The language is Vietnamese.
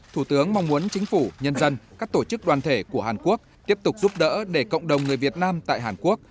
thủ tướng mong muốn chính phủ nhân dân các tổ chức đoàn thể của hàn quốc tiếp tục giúp đỡ để cộng đồng người việt nam tại hàn quốc